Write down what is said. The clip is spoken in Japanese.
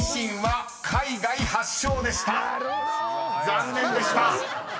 ［残念でした］